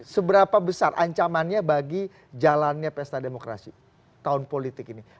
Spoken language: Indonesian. seberapa besar ancamannya bagi jalannya pesta demokrasi tahun politik ini